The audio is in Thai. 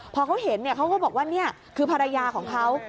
พอเขาเห็นเขาก็บอกว่านี่คือภรรยาของเขา